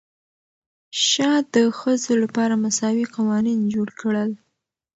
شاه د ښځو لپاره مساوي قوانین جوړ کړل.